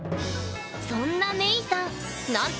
そんなメイさん。